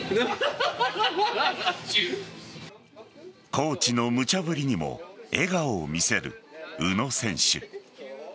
コーチの無茶ぶりにも笑顔を見せる宇野選手。